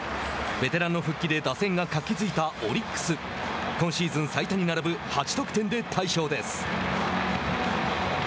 ベテランの復帰で打線が活気づいたオリックス今シーズン最多に並ぶ８得点で大勝です。